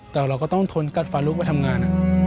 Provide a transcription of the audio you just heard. แต่เราก็ต้องทนกัดฟันลูกไปทำงาน